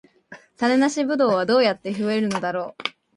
種なしブドウはどうやって増えるのだろう